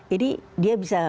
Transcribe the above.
jadi dia bisa